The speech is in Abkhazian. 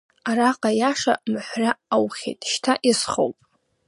Араҟа аиаша маҳәра аухьеит, шьҭа иазхоуп…